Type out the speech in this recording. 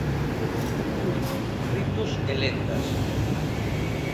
Cultos, ritos e lendas.